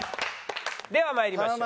では参りましょう。